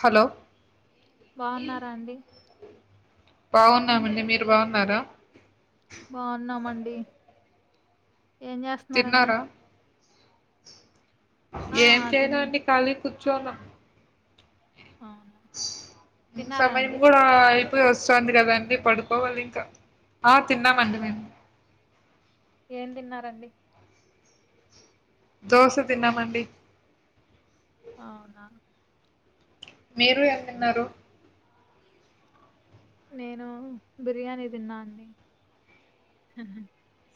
Hello బాగున్నారా అండి బాగున్నామండి మీరు బాగున్నారా బాగున్నామండి ఏం చేస్తన్నారండి తిన్నారా ఏం తిన్ చేయనండి ఖాళీగ కూర్చోన్నాం అవునా తిన్నారా సమయం అండి? కూడా అయిపొవస్తాంది కదండి పడుకోవాలి ఇంకా ఆ తిన్నామండి మేము ఏం తిన్నారండి దోశ తిన్నామండి అవునా మీరు ఎం తిన్నారు నేనా బిర్యానీ తిన్నా అండి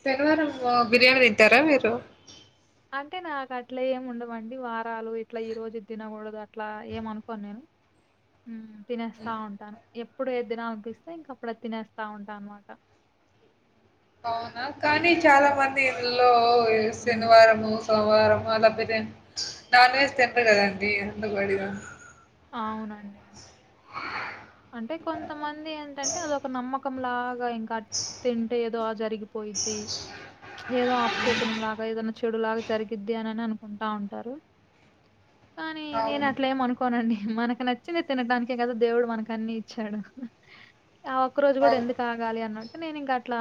శనివారం బిర్యానీ తింటారా మీరు అంటే నాకు అట్ల ఏమి ఉండవండి వారాలు ఇట్లా ఈ రోజు తినకూడదు అట్లా ఏమ అనుకోను నేను తినేస్తా ఉంటాను ఎ ఇప్పుడు ఎద్దిన అనిపిస్తే ఇంక అప్పుడ తినేస్తా ఉంటా అన్నమాట అవునా కానీ చాలా మంది ఇందులో శనివారము సోమవారము అలాపోతే నాన్ వెెజ్ తింట కదాండి అంత వాడిద అవునండి అంటే కొంతమంది ఏంటంటే అదొక నమ్మకం లాగా ఇంకా తింటే ఏదో అ జరిగిపోయిద్ది ఏదో ఆభిషేకనం లాగా ఏదైనా చెడు లాగా జరిగిది అని అని అనుకుంటా ఉంటారు కానీ నేను అవును అట్లే ఏమ అనుకోనండి మనకు నచ్చింది తినడాాకే కదా దేవుడు మనకు అన్నిీ ఇచ్చాడు ఆ ఒక్క రోజు కూడా అవును ఎందుకు కాగాలి అన్నట్టు నేను ఇంక అట్లా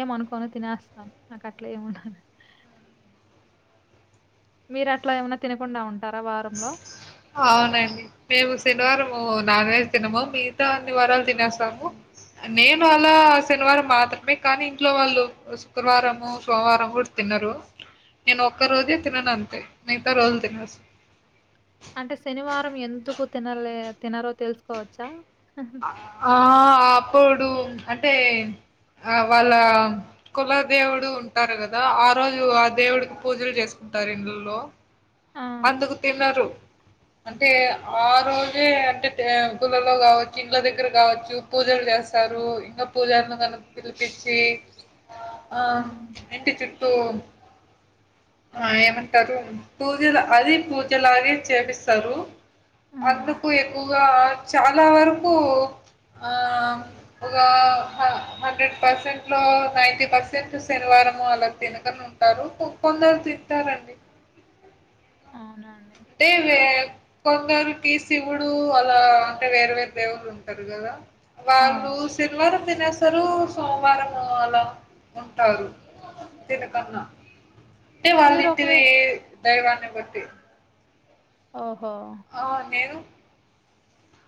ఏమ అనుకోన తినేస్తాను నాకు అట్లా ఏముండ మీరు అట్లా ఏమై తినకుండా ఉంటారా వారంలో నానే తినమ మిగతా అన్ని వారాలు తినేస్తాము నేను అలా శనివారం మాత్రమే కానీ ఇంట్లో వాళ్ళు శుక్రవారము సోమవారం కుడితే తన్నారు నేను ఒక్క రోజే తినను అంతే మిగతా రోజులు తినసు అంటే శనివారం ఎందుకు తినలే తినరో తెలుసుకోవచ్చా ఆ అప్పుడు అంటే ఆ వాళ్ళ కుల దేవుడు ఉంటారు కదా ఆ రోజు ఆ దేవుడికి పూజలు చేసుకు ఉంటారు ఇంలో ఆ! అందుకు తిన్నారు అంటే ఆ రోజే అంటే గులలో కావచ్చు ఇంల దగ్గర కావచ్చు పూజలు చేస్తారు ఇంకా పూజలను కనుక పిలిపించి ఆ నింటిచ్చత్త ఆ ఏమంటారు పూజలు అది పూజలాగే చేపిస్తారు ఆ! అందుకు ఎక్కువగా చాలా వరకు ఆ వ హండ్రెడ్ పర్సెంట్ లో నై పర్సెంట్ శనివారంము అలా తినకని ఉంటారు కొందరు తింటారండీ [inaudible] అవునండి. అంటే వే కొంగారుకి శివుడు అలా అంటే వేర వేరే దేవుళ ఉంటారు కదా వాలు అవును. సిల్వర్ తినసారు సోమవారం అలా ఉంటారు తినకన్నా అంటే వాళ్ళ ఇంటిద మీరొకవేళ ఏ ధైవాన్ని బట్టి ఓహో ఆ! నేను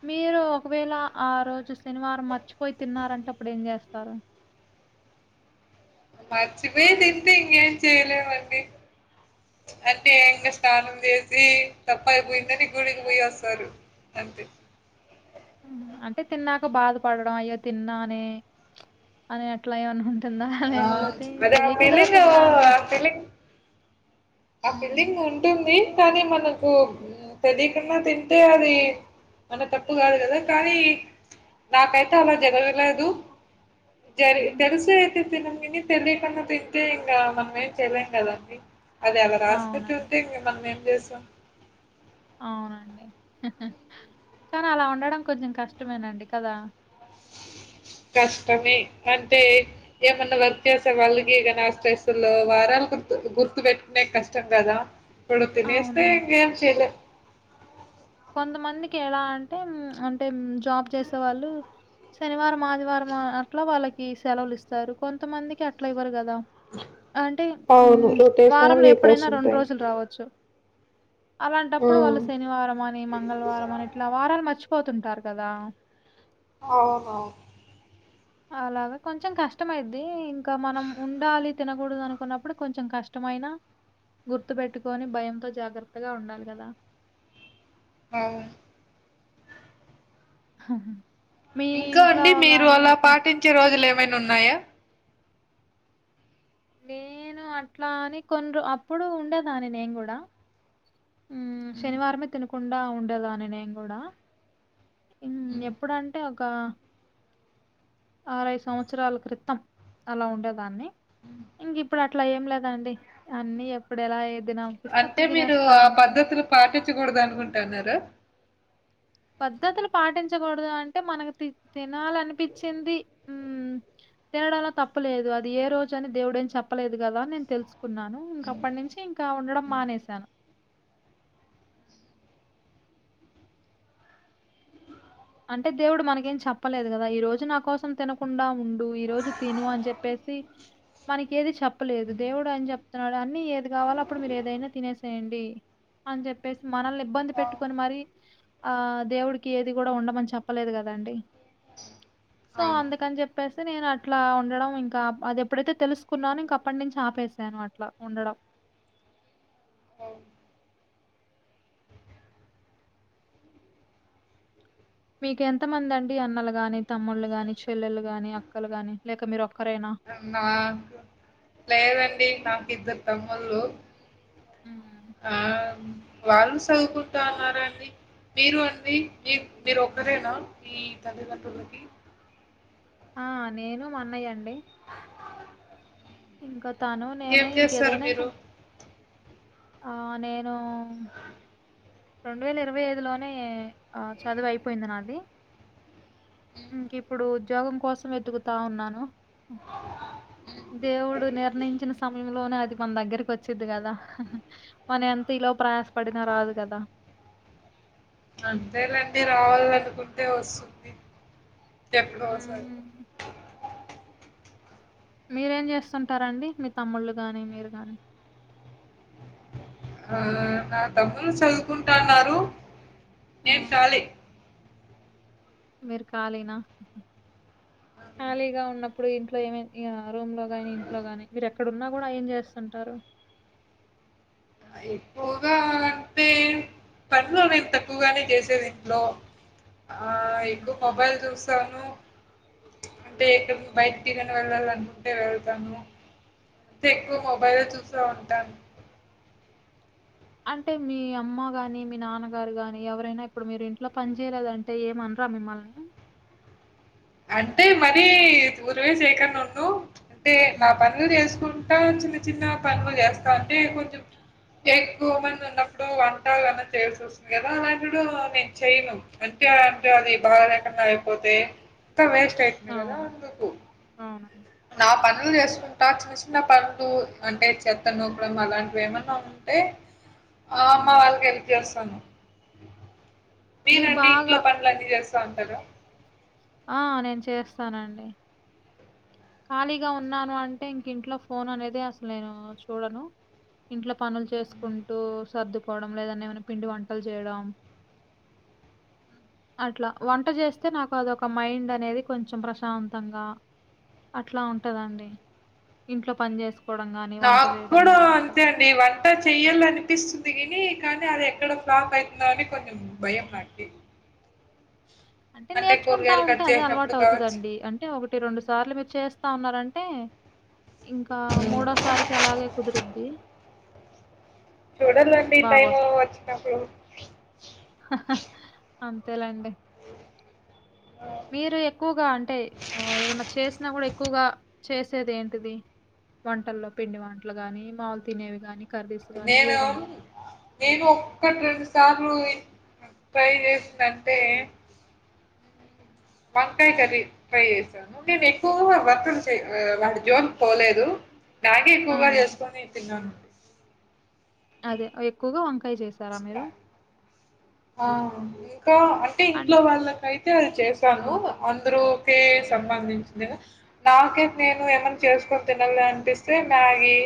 మీరు ఒకవేళ ఆ రోజు శనివారం మర్చిపోయి తిన్నారంటే అప్పుడు ఏం చేస్తారు [inaudible] మర్చిపోయి ఎంత ఇంగేం చేయలే వండి అంటే ఇంకా స్నానం చేసి తప్ప అయిపోయిందని గుడికి పోయి వస్తారు అంత అంటే తిన్నాక బాధ పడడం అయ్యో తిన్నా అని అని అట్లా ఏనా ఉంట తిన్నాను ఆ! లేకపోతే అదే ఆ తెలికే కదా ఫీలింగ్ తిన్నాను ఆ ఫీలింగ్ ఆ హ్మ్. ఫీలింగ్ ఉంటుంది కానీ మనకు తెలియకుడా తింటే అది మన తప్పు కాదు కదా కానీ నాకైతే అలా జరగలేదు జరి హ్మ్. తెలుసు అయితే తిన విని తెలియకుండా తింటే ఇంగ మనం ఏం చేయలేం కదం అది అలా రాసి పెట్టి అవునండి. ఉంటే ఇంకా మనం ఏం చేసాం అవునండి కానీ అలా ఉండడం కొంచెం కష్టమేనండి కదా కష్టమే అంటే ఏమన్నా వర్క్ చేసే వాళ్ళకి కానీ స్ట్రెస్లో వారాలు గుర్తు గుర్తు పెట్టుకునే కష్టంగా గదా కడ తినేస్తే అవునండి. ఇంగేం చేయలేం కొంతమందికి ఎలా అంటే అంటే జాబ్ చేసే వాళ్ళు శనివారం ఆదివారం అట్లా వాళ్ళకి సెలవులు ఇస్తారు కొంతమందికి అట్లా ఇవ్వరు కదా అంటే అవును. రొటేషనల్ వారంలో వీకర్స్ ఎప్పుడైనా రెండు ఉంటాయి. రోజులు రావచ్చు ఆ! అలాంటప్పుడు వాళ్ళు శనివారం అని మంగళవారం అని ఇట్లా వారం మర్చిపోతుంటారు కదా అవును [inaudible] అలాగే కొంచెం కష్టమైద్ది ఇంకా మనం ఉండాలి తినకూడదు అనుకున్నప్పుడు కొంచెం కష్టమైన గుర్తు పెట్టుకొని భయంతో జాగ్రత్తగా ఉండాలి కదా ఆ హహా ఇంకా అండి మీరు అలా పాటించే రోజులు ఏమైనా ఉన్నాయ నేను అట్లా అని కొన్రు అప్పుడు ఉండేదాన్ని నేను కూడా మ్ ఉమ్, శనివారమే తినకుండా ఉండేదాన్ని నేను కూడా ఉమ్. ఎప్పుడంటే క ఆరై సంవత్సరాల క్రితం అలా ఉండేదాన్ని ఇంగ ఇప్పుడు అట్లా ఏం లేదండి అన్ని ఎప్పుడు ఎలా తినాలనిపిస్తే అంటే అప్పుడు మీరు తినేస్తా ఆ ఉంటాను. పద్ధతులు పాటించకూడద అనుకుంటున్నార పద్ధతులు పాటించకూడదు అంటే మనకి తినాలనిపించింది ఉమ్మ్ తినడంలో తప్పలేదు అది ఏ రోజు అని దేవుడేం చెప్పలేదు కదా నేను తెలుసు కున్నాను ఇంక అప్పటి నుంచి ఇంకా ఉండడం మానేశాను అంటే దేవుడు మనకేం చెప్పలేదు కదా ఈ రోజు నా కోసం తినకుండా ఉండు ఈ రోజు తిను అని చెప్పే సి మనకి ఏది చెప్పలేదు దేవుడు ఏం చెప్తున్నాడు అన్నీ ఏది కావాలో అప్పుడు మీరు ఏదైనా తినేసేయండి అని చెప్పేసి మనల్ని ఇబ్బంది అవును. పెట్టుకొని మరి ఆ దేవుడికి ఏది కూడా ఉండమని చెప్పలేదు కదండి సో అవును. అందుకని చెప్ పేసి నేను అట్లా ఉండడం ఇంకా అది ఎప్పుడైతే తెలుసుకున్నానో ఇంక అప్పటి నించి ఆపేసాను అట్లా ఉండడం [inaudible] అవును మీకు ఎంత మంది అండి అన్నలు గాని తమ్ముళ్లు గాని చెల్లెలు గాని అక్కలు గాని లేక మీరు ఒక్కరేనా? నాకు లేదండి నాకు ఇద్దరు తమ్ముళ్ళు హ్మ్. ఆ వాళ్ళు సదుకుంటా ఉన్నారండి మీరు అండి మీ మీరు ఒక్కరేనా మీ తల్లిదండ్రులకి ఆ నేను మాన్నయ్య అండి [inaudible] ఇంకా తను ఏం నేనే చేస్తారు ఇంకేదైనా ఇంక మీరు? ఆ నేను రెండు వేల ఇరవై ఐదులోనే ఆ చదువు అయిపోయింది నాది ఇంక ఇప్పుడు ఉద్యోగం కోసం వెతుకుతా ఉన్నాను దేవుడు నిర్ణయించిన సమయంలోనే అది మన దగ్గరకి వచ్చిది కదా మన ఎంత ఈలో ప్రయాసపడిన రాదు కదా అంతేలండి రావాలనుకుంటే వస్తుంది తెప్పుకోసయి మ్మ్. మీరేం చేస్తుంటారండి మీ తమ్ముళ్ళు గాని మీరు గాని ఆ నా తమ్ముళ్లు చదువుకుంటాన్నారు నేను చాలి మీరు కాలినా కాలీగా ఉన్నప్పుడు ఇంట్లో ఏమై రూమ్ లో ని ఇంట్లో ని మీరు ఎక్కడన్నా కూడా ఏం చేస్తుంటారు [inaudible] అయిపోగాంటే పాన్లో నెతక్కువగానే చేసేది ఇంట్లో ఆ ఎక్కువ మ్మ్. మొబైల్ చూస్తాను అంటే ఎక్కడ ను బయటి తీకని వెళ్ళాల అనుకుంటే వెళ్తాను అంటే ఎక్కువ మొబైల్లో చూస్త ఉంటాను అంటే మీ అమ్మ గాని మీ నాన్నగారు గాని ఎవరైనా ఇప్పుడు మీరు ఇంట్లో పని చేయలేదంటే ఏమ రమమల్ని [unintelligible] అంటే మరి ఊరువే చేయకని ఉన్ను అంటే నా హ్మ్. పనులు చేసుకుంట ఇంకా చిన్న చిన్న పనులు చేస్తావుంటే కొంచెం ఎక్కువ మంది ఉన్నప్పుడు వంట ఏన్నా చేయాల్సి వస్తుంది కదా అలాంటిడు నేను చెయను అంటే అంటే అది బాగా ఎకన్నా అయిపోతే వేస్ట్ అయితది అవును. అవును. కద పనులు చేసుకుంటా చిన్న చిన్న పనులు అంటే చెత్త నొకడం అలాంటివి ఏమన్నా ఉంటే ఆ అమ్మ హ్మ్. వాళ్ళకి హెల్ప్ చేస్తాను మీరు మీనంటే ఇంట్లో బాగా పనులు అన్ని చేస్త సంతలు [unintelligible] ఆ నేను చేస్తానండి ఖాళీగా ఉన్నాను అంటే ఇంకింట్లో ఫోన్ అనేది అసలు నేను చూడను ఇంట్లో పనులు చేసుకుంటూ సర్దుకోవడం లేదన్నా ఏమైనా పిండి వంటలు చేయడం [inaudible] అట్లా వంట చేస్తే నాకు అదొక మైండ్ అనేది కొంచెం ప్రశాంతంగా అట్లా ఉంటదండి ఇంట్లో పని చేసుకు నాకు కూడా అంతే అండి వంట చెయ్యాల అనిపిస్తుంది కాని అది ఎక్కడ ఫ్లప్ ఆయితుందో అని కొంచం భయ మాట అంటే నేర్చుకుంటా ఉంటే అదే అలవాటు కావచ్చు. అవుతుందండి అంటే ఒకటి రెండు సార్లు మీరు చేస్తా ఉన్నంటే అంటే ఇంకా హ్మ్. మూడోసారికి అలాగే కుదురుద్ది చూడాలండి టైం బాగొస్తది. వచ్చినప్పుడు అంతేలాండి మీరు ఎక్కువగా అంటే ఏదన్నా చేసినా కూడా ఎక్కువగా చేసేది ఏంటిది వంటల్లో పిండి వంటలు గాని మాములు తినేవి గాని నేను నేను ఒక్కటి రెండు సార్లు ఫ్రేయి చేస్తా అంటే వంకాయ కర్రీ ట్రై చేసాను నేను ఎక్కువ వర్తలు చె వాడి జోన్కి పోలేదు నాకే ఆ! ఎక్కువగా చేసుకొనితింటున్నాను అదే ఎక్కువగా వంకాయ చేసారా మీరు ఆ ఇంకా అంటే అన్ ఇంట్లో వాళ్ళకై తే అది చేశాను అందరూకే సంబంధించిందిగ నాకైతే నేను ఏమన్నా చేస్ కొని తినలనిపిస్తే మ్యాగి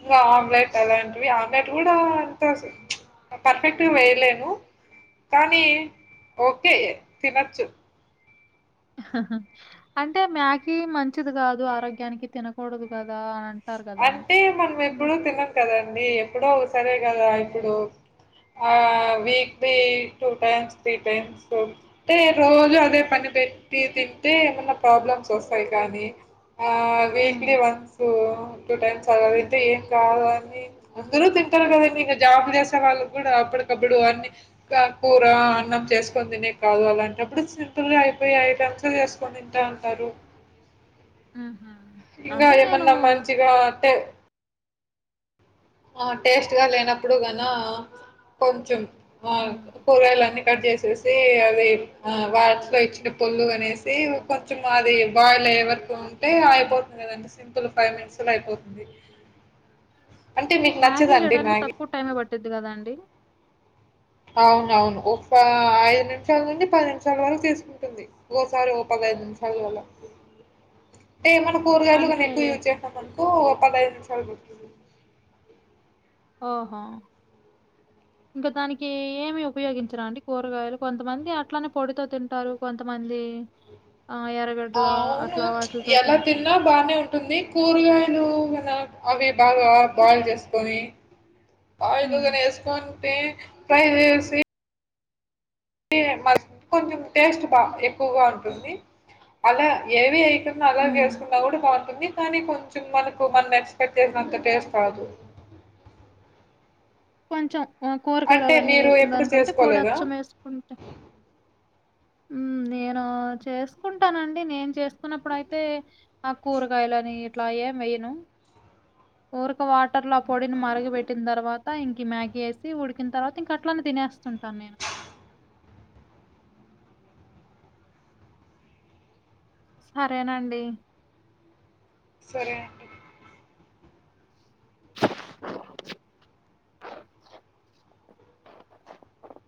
ఇంకా ఆమ్లెట్ అలాంటివి ఆమ్లెట్ కూడా అంత పర్ఫెక్ క్ట్గ వేయలేను కానీ ఓకే తినొచ్చు అంటే మ్యాకీ మంచిది కాదు ఆరోగ్యానికి తినకూడదు కదా అనం అంటే మనం ఎప్పుడు తిన్నాం కదండి ఎప్పుడో ఒక సరే కదా ఇప్పుడు ఆ weekly two times three times అంటే రోజు అదే పని పెట్టి తింటే ఏమన్నా ప్రాబ్లమ్స్ వస్తాయి కానీ ఆ హ్మ్. వీక్లీ వన్సూ టూ టైమ్స్ అల తింటే ఏం కాదు అని అందరూ తింటారు కదండి ఇంగ జాబ్ చేసే వాళ్ళు కూడా అప్పుడు కప్పుడు అన్ని కూర అన్నం చేసుకోని తినే కాదు అలాంటప్పుడు సింపుల్ గా అయిపోయే ఐటం పచ్చడ చేసుకొని తంటా ఉంటారు ఆహ అంటే నేను పట్టే ఆ టేస్ట్ గా లేనప్పుడు గన కొంచెం ఆ హ్మ్. కూరగాయలన్నీ కట్ చేసేసి అది వాచ్లో ఇచ్చిన పోళ్ళు అనేసి కొంచెం అది బాయిల్ అయ్యే వరకు ఉంటే అయిపోతుంది కదండి సింపుల్ ఫైవ్ మినిట్స్ లో అయిపోతుంది అంటే మీకు మ్యాగీ నచ్చదండి చేయడానికి మ్యాగీ? తక్కువ టైం యి పట్టిద్ధి కదాండి అవునవును ఒక ఐదు నిమిషాల నుంచి పది నిమిషాల వరకు తీసుకుంటుంది ఓసారి ఓ పద ది నిముషాలు అల అంటే ఏమన్న కూరగాయలు కానీ అంటే ఎక్కువ యూజ్ చేసమనుకో పదహైదు నిమిషాలు పడుతుంది ఆహ ఇంకా దానికి ఏమి ఉపయోగించరా అండి కూరగాయలు కొంతమంది అట్లనే పొట్టుతో తింటారు కొంతమంది ఏ అవును ఎలా తింటారు. తిన్నా బానే ఉం టుంది కూరగాయలు మన అవి బాగా బాయిల్ చేసుకొని హ్మ్. ఆయిదుగానే వేసుకుంటే ఫ్రేయ్ చేసి ఏ [unintelligible] టేస్ట్ బా ఎక్కువగా ఉంటుంది అలా ఏవి ఎయ టం అల హ్మ్. చేసుకున్నా కూడా బాగుంటుంది కానీ కొంచెం మనకు మనం ఎక్స్పెక్ట్ చేసినంత టేస్ట్ రాదు కొంచెం కూరగాయలు అంటే అవన్నీ మీరు వేసిన ఎప్పుడు దానికంటే చేసుకోలేదా? పొడచ్చం వేసుకుంటే మ్ నేను చేసుకుంటానండి నేను చేసుకున్నప్పుడు అయితే ఆ కూరగాయలని ఇట్లా ఎం వెయ్యను ఊరికే వాటర్ లో ఆ పొడిని మరుగ పెెట్టిన తర్వత్ త ఇంక మ్యాగీ వేసి ఉడికిన తర్వాత ఇంక అట్లనే తినేస్తుంటాను నేను ఆ సరేనండి సరే అండి